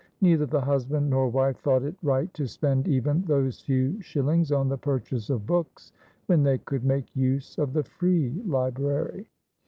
Neither the husband nor wife thought it right to spend even those few shillings on the purchase of books, when they could make use of the Free Library.